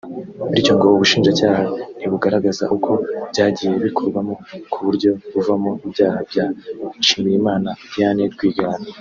Bityo ngo Ubushinjacyaha ntibugaragaza uko byagiye bikorwamo ku buryo buvamo ibyaha bya Nshimiyimana Diane Rwigara